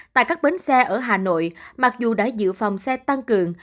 tại các bến xe ở hà nội mặc dù đã giữ phòng xe tăng cường